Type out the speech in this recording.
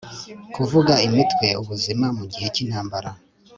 kuvuga imitwe, ubuzima mugihe cyintambara